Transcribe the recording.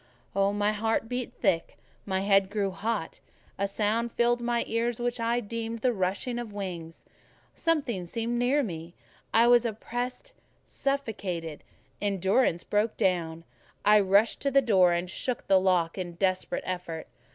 My heart beat thick, my head grew hot; a sound filled my ears, which I deemed the rushing of wings; something seemed near me; I was oppressed, suffocated: endurance broke down; I rushed to the door and shook the lock in desperate effort.